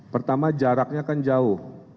pertama jaraknya kan jauh